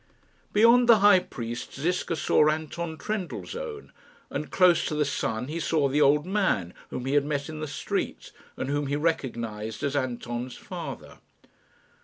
Beyond the High Priest Ziska saw Anton Trendellsohn, and close to the son he saw the old man whom he had met in the street, and whom he recognised as Anton's father.